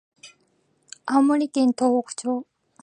青森県東北町